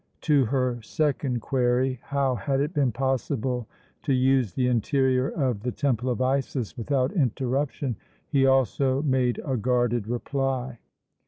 To her second query, how had it been possible to use the interior of the Temple of Isis without interruption, he also made a guarded reply.